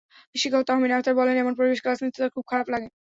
শিক্ষক তাহমিনা আক্তার বললেন, এমন পরিবেশে ক্লাস নিতে তাঁর খুব খারাপ লাগে।